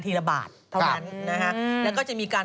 ๒กิโลเมตร